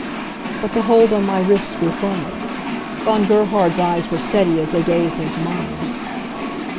But the hold on my wrists grew firmer. Von Gerhard's eyes were steady as they gazed into mine.